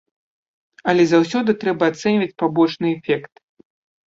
Але заўсёды трэба ацэньваць пабочны эфект.